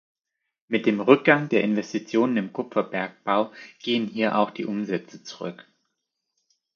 Mit dem Rückgang der Investitionen im Kupferbergbau gehen hier auch die Umsätze zurück.